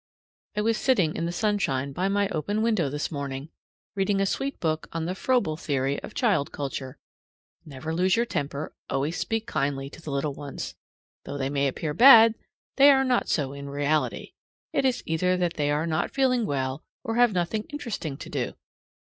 I was sitting in the sunshine by my open window this morning reading a sweet book on the Froebel theory of child culture never lose your temper, always speak kindly to the little ones. Though they may appear bad, they are not so in reality. It is either that they are not feeling well or have nothing interesting to do.